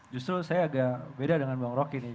justru saya agak beda dengan bang roky nih